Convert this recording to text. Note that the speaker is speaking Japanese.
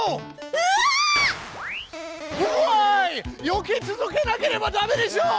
よけ続けなければダメでしょう！